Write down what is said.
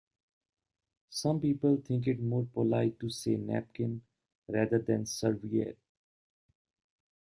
Some people think it more polite to say napkin rather than serviette